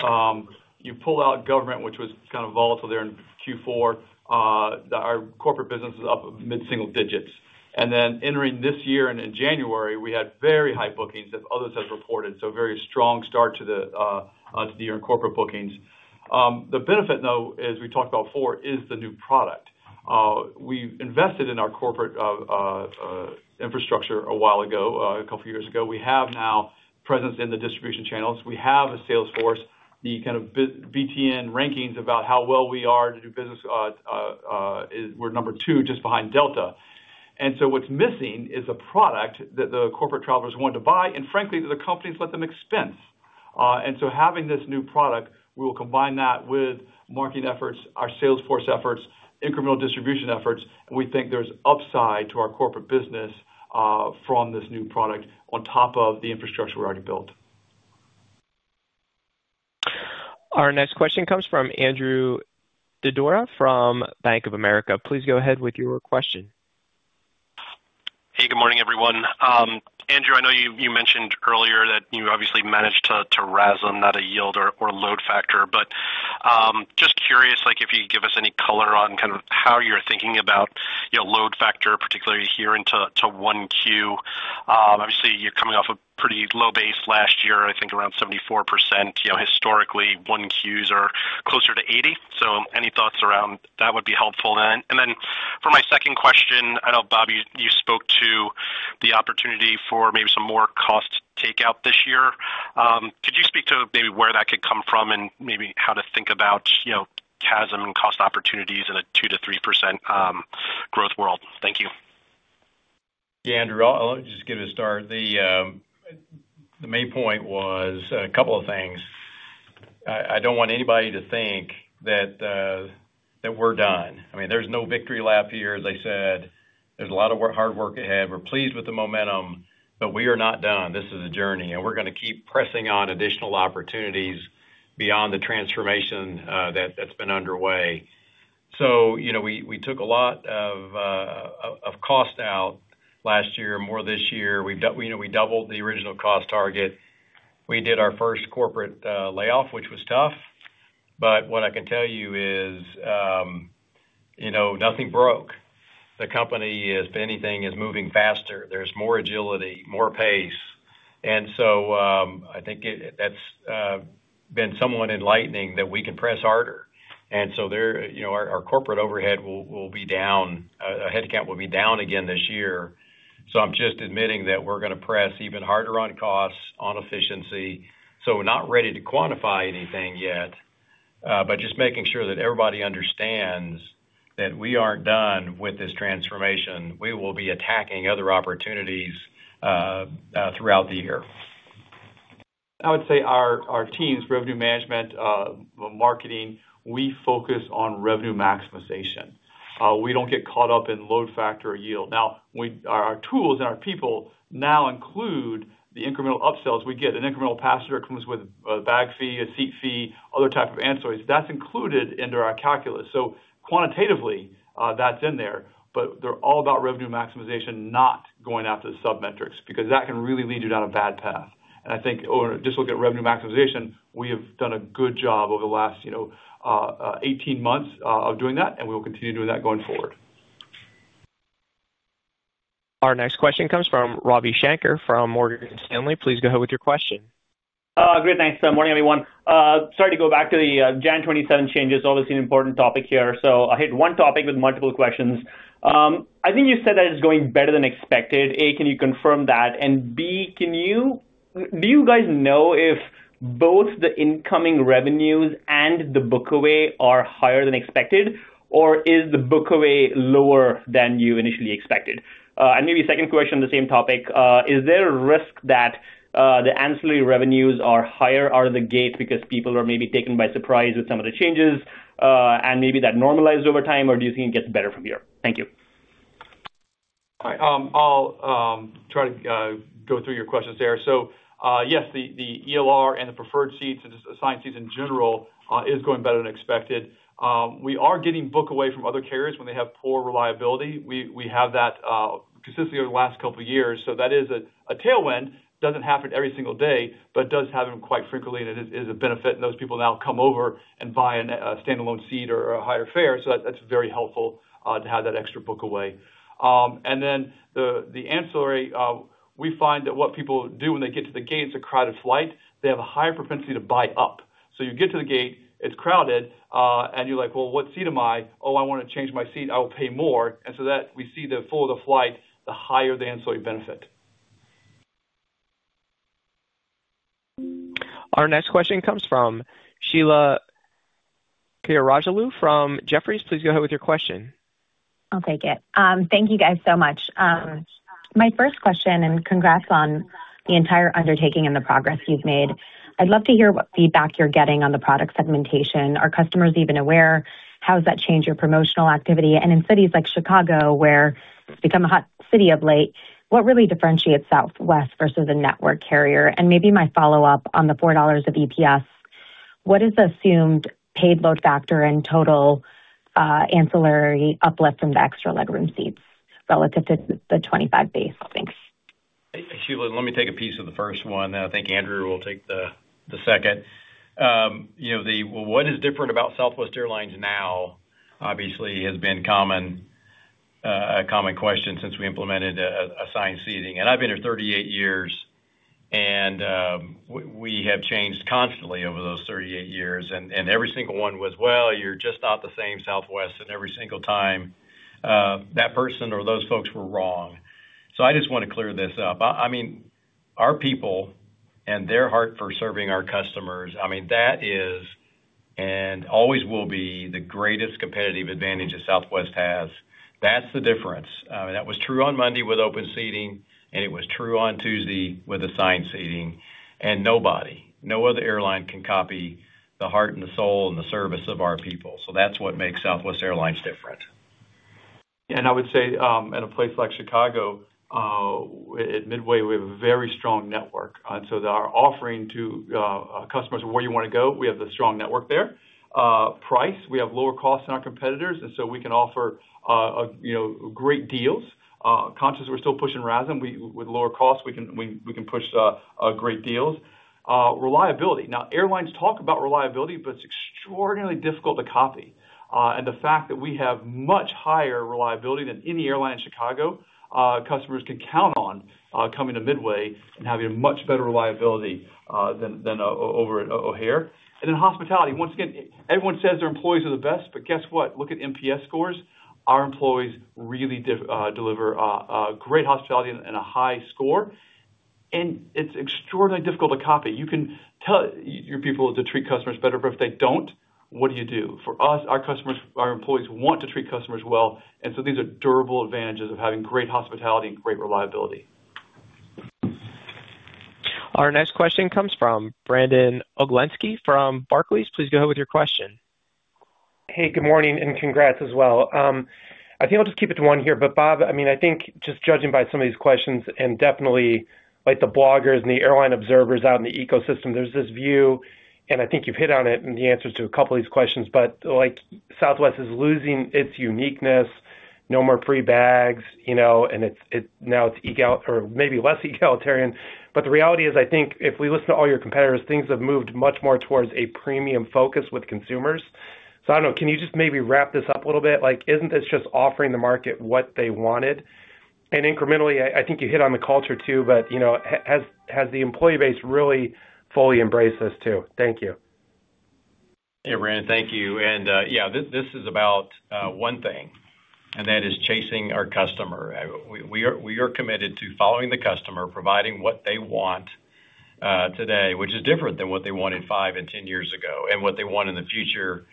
you pull out government, which was kind of volatile there in Q4, our corporate business is up mid-single digits. And then entering this year and in January, we had very high bookings, as others have reported, so a very strong start to the year in corporate bookings. The benefit, though, as we talked about before, is the new product. We've invested in our corporate infrastructure a while ago, a couple of years ago. We have now presence in the distribution channels. We have a sales force. The kind of BTN rankings about how well we are to do business is we're number two, just behind Delta. And so what's missing is a product that the corporate travelers want to buy, and frankly, that the companies let them expense. Having this new product, we will combine that with marketing efforts, our sales force efforts, incremental distribution efforts, and we think there's upside to our corporate business from this new product on top of the infrastructure we've already built. Our next question comes from Andrew Didora from Bank of America. Please go ahead with your question. Hey, good morning, everyone. Andrew, I know you mentioned earlier that you obviously managed to RASM, not a yield or load factor. But just curious, like if you could give us any color on kind of how you're thinking about your load factor, particularly here into Q1. Obviously, you're coming off a pretty low base last year, I think around 74%. You know, historically, Q1's are closer to 80, so any thoughts around that would be helpful. And then for my second question, I know, Bob, you spoke to the opportunity for maybe some more cost takeout this year. Could you speak to maybe where that could come from and maybe how to think about, you know, CASM and cost opportunities in a 2%-3% growth world? Thank you. Yeah, Andrew, let me just give it a start. The main point was a couple of things. I don't want anybody to think that we're done. I mean, there's no victory lap here, as I said. There's a lot of work, hard work ahead. We're pleased with the momentum, but we are not done. This is a journey, and we're gonna keep pressing on additional opportunities beyond the transformation that that's been underway. So you know, we took a lot of cost out last year, more this year. We've you know, we doubled the original cost target. We did our first corporate layoff, which was tough, but what I can tell you is, you know, nothing broke. The company, if anything, is moving faster. There's more agility, more pace. I think it's been somewhat enlightening that we can press harder. And so there, you know, our corporate overhead will be down, our headcount will be down again this year. So I'm just admitting that we're gonna press even harder on costs, on efficiency. So we're not ready to quantify anything yet, but just making sure that everybody understands that we aren't done with this transformation. We will be attacking other opportunities throughout the year. I would say our teams, revenue management, marketing, we focus on revenue maximization. We don't get caught up in load factor or yield. Now, our tools and our people now include the incremental upsells. We get an incremental passenger comes with a bag fee, a seat fee, other type of ancillaries. That's included into our calculus. So quantitatively, that's in there, but they're all about revenue maximization, not going after the submetrics, because that can really lead you down a bad path. And I think, or just look at revenue maximization, we have done a good job over the last, you know, 18 months, of doing that, and we will continue doing that going forward. Our next question comes from Ravi Shanker, from Morgan Stanley. Please go ahead with your question. Great. Thanks. Good morning, everyone. Sorry, to go back to the, January twenty-seventh changes, obviously an important topic here. So I'll hit one topic with multiple questions. I think you said that it's going better than expected. A, can you confirm that? And B, can you-- do you guys know if both the incoming revenues and the book away are higher than expected, or is the book away lower than you initially expected? And maybe a second question on the same topic. Is there a risk that, the ancillary revenues are higher out of the gate because people are maybe taken by surprise with some of the changes, and maybe that normalized over time, or do you think it gets better from here? Thank you. All right, I'll try to go through your questions there. So, yes, the ELR and the preferred seats and assigned seats in general is going better than expected. We are getting book away from other carriers when they have poor reliability. We have that consistently over the last couple of years. So that is a tailwind, doesn't happen every single day, but does happen quite frequently, and it is a benefit, and those people now come over and buy a standalone seat or a higher fare. So that's very helpful to have that extra book away. And then the ancillary, we find that what people do when they get to the gate, it's a crowded flight, they have a higher propensity to buy up. So you get to the gate, it's crowded, and you're like: "Well, what seat am I? Oh, I wanna change my seat. I will pay more." And so that we see the fuller the flight, the higher the ancillary benefit. Our next question comes from Sheila Kahyaoglu from Jefferies. Please go ahead with your question. I'll take it. Thank you guys so much. My first question, and congrats on the entire undertaking and the progress you've made. I'd love to hear what feedback you're getting on the product segmentation. Are customers even aware? How does that change your promotional activity? And in cities like Chicago, where it's become a hot city of late, what really differentiates Southwest versus a network carrier? And maybe my follow-up on the $4 of EPS, what is the assumed paid load factor and total, ancillary uplift in the extra legroom seats relative to the 25 base? Thanks. Sheila, let me take a piece of the first one, and I think Andrew will take the second. You know, what is different about Southwest Airlines now, obviously, has been a common question since we implemented assigned seating. And I've been here 38 years, and we have changed constantly over those 38 years, and every single one was, "Well, you're just not the same Southwest." And every single time, that person or those folks were wrong. So I just want to clear this up. I mean, our people and their heart for serving our customers, I mean, that is and always will be the greatest competitive advantage that Southwest has. That's the difference. That was true on Monday with open seating, and it was true on Tuesday with assigned seating, and nobody, no other airline can copy the heart and the soul and the service of our people. So that's what makes Southwest Airlines different. I would say, in a place like Chicago, at Midway, we have a very strong network. So our offering to, customers where you wanna go, we have the strong network there. Price, we have lower costs than our competitors, and so we can offer, you know, great deals. Conscious, we're still pushing RASM. With lower costs, we can push, great deals. Reliability. Now, airlines talk about reliability, but it's extraordinarily difficult to copy. And the fact that we have much higher reliability than any airline in Chicago, customers can count on, coming to Midway and having a much better reliability, than over at O'Hare. And then hospitality. Once again, everyone says their employees are the best, but guess what? Look at NPS scores. Our employees really deliver a great hospitality and a high score, and it's extraordinarily difficult to copy. You can tell your people to treat customers better, but if they don't, what do you do? For us, our customers—our employees want to treat customers well, and so these are durable advantages of having great hospitality and great reliability. Our next question comes from Brandon Oglenski from Barclays. Please go ahead with your question. Hey, good morning, and congrats as well. I think I'll just keep it to one here, but Bob, I mean, I think just judging by some of these questions and definitely, like, the bloggers and the airline observers out in the ecosystem, there's this view, and I think you've hit on it in the answers to a couple of these questions, but, like, Southwest is losing its uniqueness. No more free bags, you know, and it's, it-- now it's egalitarian or maybe less egalitarian. But the reality is, I think if we listen to all your competitors, things have moved much more towards a premium focus with consumers.... So I don't know, can you just maybe wrap this up a little bit? Like, isn't this just offering the market what they wanted? Incrementally, I think you hit on the culture, too, but, you know, has the employee base really fully embraced this, too? Thank you. Hey, Brian, thank you. And, yeah, this, this is about one thing, and that is chasing our customer. We, we are, we are committed to following the customer, providing what they want, today, which is different than what they wanted 5 and 10 years ago, and what they want in the future.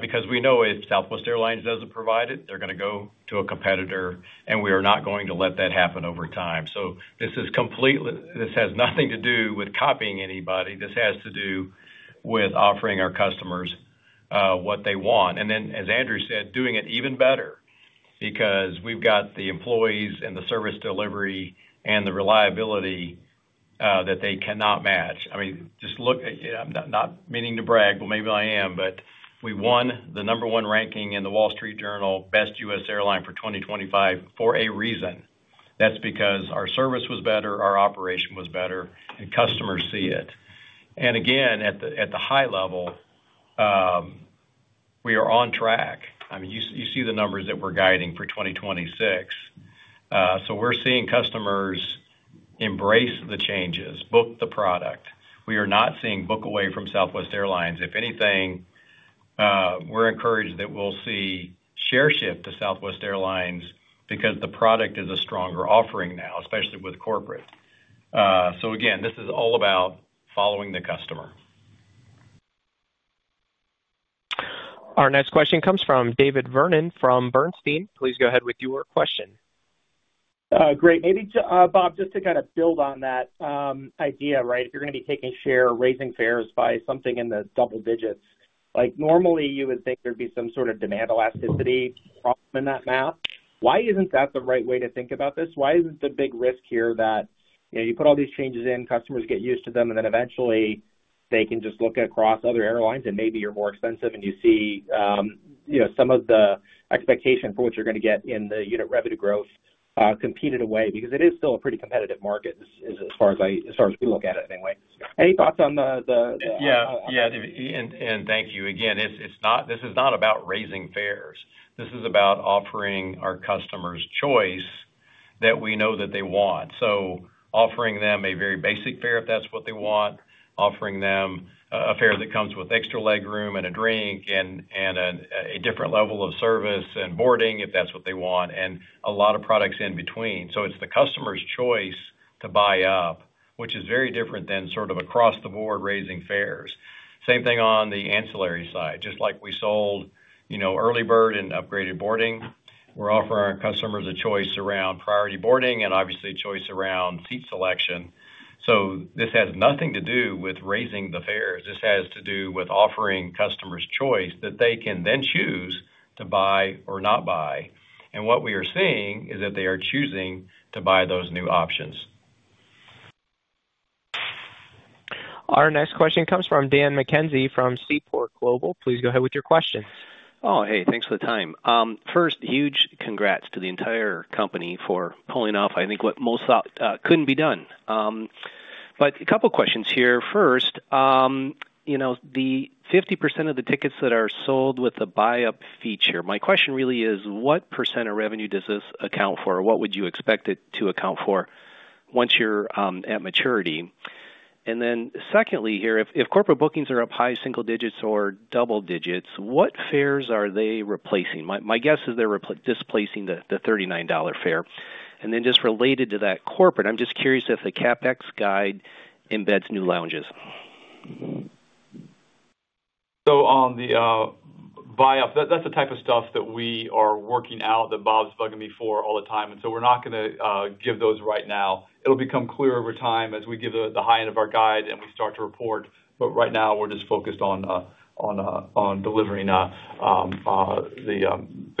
Because we know if Southwest Airlines doesn't provide it, they're gonna go to a competitor, and we are not going to let that happen over time. So this is completely. This has nothing to do with copying anybody. This has to do with offering our customers, what they want. And then, as Andrew said, doing it even better, because we've got the employees and the service delivery and the reliability, that they cannot match. I mean, just look, I'm not meaning to brag, but maybe I am, but we won the number 1 ranking in The Wall Street Journal Best US Airline for 2025 for a reason. That's because our service was better, our operation was better, and customers see it. And again, at the high level, we are on track. I mean, you see the numbers that we're guiding for 2026. So we're seeing customers embrace the changes, book the product. We are not seeing book away from Southwest Airlines. If anything, we're encouraged that we'll see share shift to Southwest Airlines because the product is a stronger offering now, especially with corporate. So again, this is all about following the customer. Our next question comes from David Vernon from Bernstein. Please go ahead with your question. Great. Maybe Bob, just to kind of build on that, idea, right? If you're gonna be taking share or raising fares by something in the double digits, like, normally you would think there'd be some sort of demand elasticity problem in that math. Why isn't that the right way to think about this? Why isn't the big risk here that, you know, you put all these changes in, customers get used to them, and then eventually, they can just look across other airlines, and maybe you're more expensive, and you see, you know, some of the expectation for what you're gonna get in the unit revenue growth, competed away? Because it is still a pretty competitive market, as far as we look at it, anyway. Any thoughts on the Yeah, and thank you. Again, it's not. This is not about raising fares. This is about offering our customers choice that we know that they want. So offering them a very basic fare, if that's what they want, offering them a fare that comes with extra legroom and a drink and a different level of service and boarding, if that's what they want, and a lot of products in between. So it's the customer's choice to buy up, which is very different than sort of across the board, raising fares. Same thing on the ancillary side. Just like we sold, you know, EarlyBird and Upgraded Boarding, we're offering our customers a choice around priority boarding and obviously choice around seat selection. So this has nothing to do with raising the fares. This has to do with offering customers choice that they can then choose to buy or not buy. What we are seeing is that they are choosing to buy those new options. Our next question comes from Dan McKenzie, from Seaport Global. Please go ahead with your question. Oh, hey, thanks for the time. First, huge congrats to the entire company for pulling off, I think, what most thought couldn't be done. But a couple questions here. First, you know, the 50% of the tickets that are sold with the buy-up feature, my question really is, what % of revenue does this account for? What would you expect it to account for once you're at maturity? And then secondly, here, if corporate bookings are up high single digits or double digits, what fares are they replacing? My guess is they're displacing the $39 fare. And then, just related to that, corporate, I'm just curious if the CapEx guide embeds new lounges. So on the buy-up, that's the type of stuff that we are working out, that Bob's bugging me for all the time, and so we're not gonna give those right now. It'll become clear over time as we give the high end of our guide and we start to report, but right now we're just focused on delivering the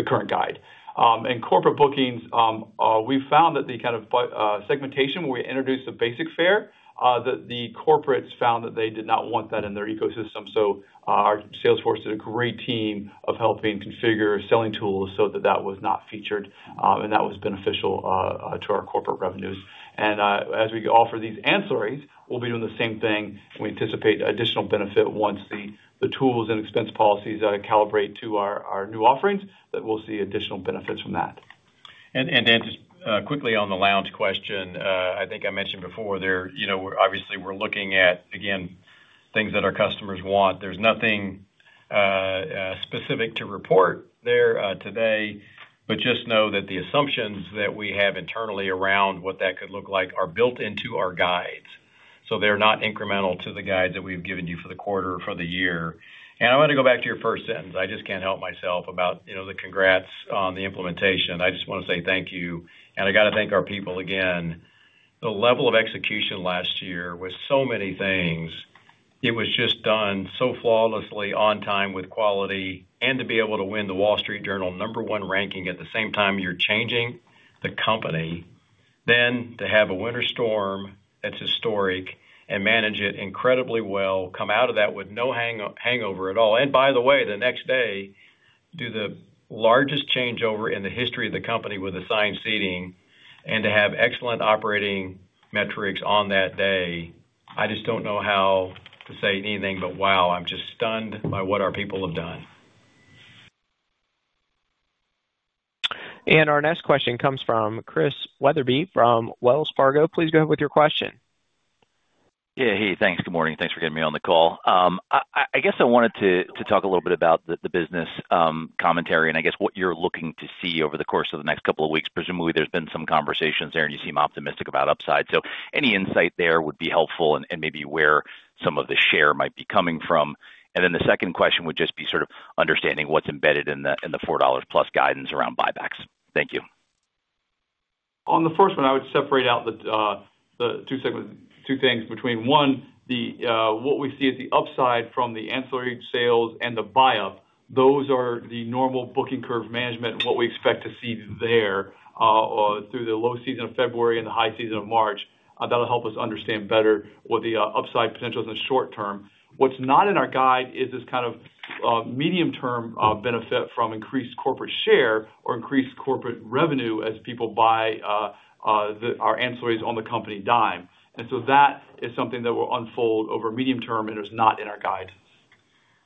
current guide. And corporate bookings, we found that the kind of segmentation, where we introduced the basic fare, that the corporates found that they did not want that in their ecosystem. So, our sales force did a great job of helping configure selling tools so that that was not featured, and that was beneficial to our corporate revenues. As we offer these ancillaries, we'll be doing the same thing. We anticipate additional benefit once the tools and expense policies calibrate to our new offerings, that we'll see additional benefits from that. Dan, just quickly on the lounge question, I think I mentioned before there, you know, we're obviously looking at, again, things that our customers want. There's nothing specific to report there today, but just know that the assumptions that we have internally around what that could look like are built into our guides, so they're not incremental to the guides that we've given you for the quarter or for the year. I want to go back to your first sentence. I just can't help myself about, you know, the congrats on the implementation. I just want to say thank you, and I got to thank our people again. The level of execution last year with so many things, it was just done so flawlessly, on time, with quality, and to be able to win The Wall Street Journal number one ranking at the same time you're changing the company, then to have a winter storm that's historic and manage it incredibly well, come out of that with no hangover at all. And by the way, the next day, do the largest changeover in the history of the company with assigned seating and to have excellent operating metrics on that day. I just don't know how to say anything, but wow, I'm just stunned by what our people have done. Our next question comes from Chris Wetherbee from Wells Fargo. Please go ahead with your question. Yeah, hey, thanks. Good morning. Thanks for getting me on the call. I guess I wanted to talk a little bit about the business commentary, and I guess what you're looking to see over the course of the next couple of weeks. Presumably, there's been some conversations there, and you seem optimistic about upside. So any insight there would be helpful and maybe where some of the share might be coming from. And then the second question would just be sort of understanding what's embedded in the $4+ guidance around buybacks. Thank you. On the first one, I would separate out the, the two segments—two things between, one, the, what we see as the upside from the ancillary sales and the buy-up. Those are the normal booking curve management, what we expect to see there, through the low season of February and the high season of March. That'll help us understand better what the, upside potential in the short term. What's not in our guide is this kind of, medium-term, benefit from increased corporate share or increased corporate revenue as people buy, our ancillaries on the company dime. And so that is something that will unfold over medium term and is not in our guide.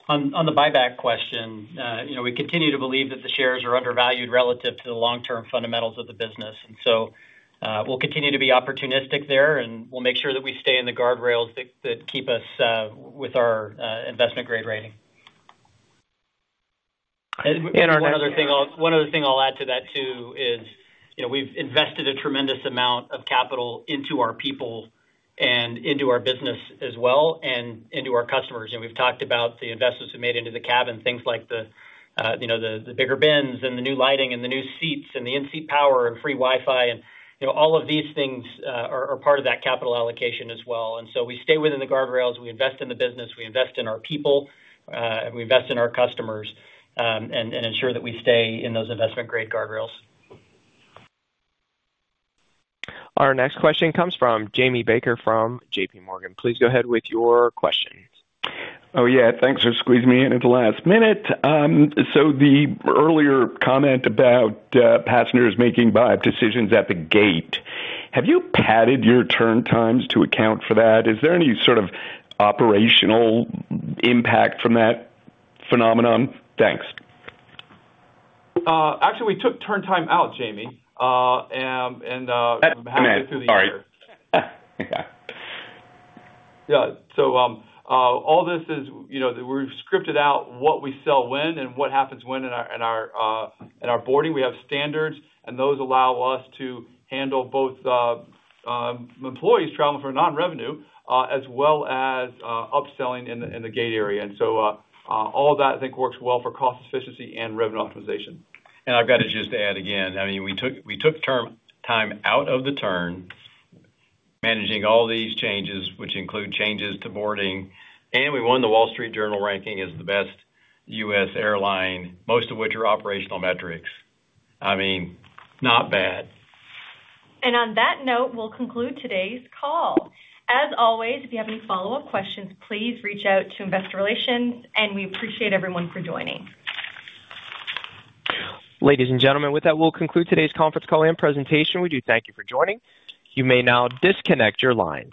On the buyback question, you know, we continue to believe that the shares are undervalued relative to the long-term fundamentals of the business. And so, we'll continue to be opportunistic there, and we'll make sure that we stay in the guardrails that keep us with our investment-grade rating. And our next- One other thing I'll add to that, too, is, you know, we've invested a tremendous amount of capital into our people and into our business as well, and into our customers. We've talked about the investments we made into the cabin, things like the, you know, the bigger bins, and the new lighting, and the new seats, and the in-seat power, and free Wi-Fi. You know, all of these things are part of that capital allocation as well. So we stay within the guardrails. We invest in the business, we invest in our people, and we invest in our customers, and ensure that we stay in those investment-grade guardrails. Our next question comes from Jamie Baker from JPMorgan. Please go ahead with your question. Oh, yeah. Thanks for squeezing me in at the last minute. So the earlier comment about passengers making buy-up decisions at the gate, have you padded your turn times to account for that? Is there any sort of operational impact from that phenomenon? Thanks. Actually, we took turn time out, Jamie, and, Sorry. Yeah. So, all this is, you know, we've scripted out what we sell when and what happens when in our, in our, in our boarding. We have standards, and those allow us to handle both, employees traveling for non-revenue, as well as, upselling in the, in the gate area. And so, all that, I think, works well for cost efficiency and revenue optimization. I've got to just add again, I mean, we took, we took turn time out of the turn, managing all these changes, which include changes to boarding, and we won the Wall Street Journal ranking as the best U.S. airline, most of which are operational metrics. I mean, not bad. On that note, we'll conclude today's call. As always, if you have any follow-up questions, please reach out to Investor Relations, and we appreciate everyone for joining. Ladies and gentlemen, with that, we'll conclude today's conference call and presentation. We do thank you for joining. You may now disconnect your line.